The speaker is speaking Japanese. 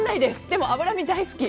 でも、脂身大好き！